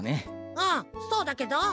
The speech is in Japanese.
ああそうだけど？